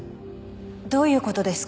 どういう事ですか？